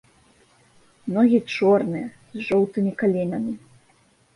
Ногі чорныя, з жоўтымі каленамі.